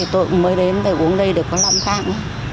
tôi mới đến để uống đây để có làm tạm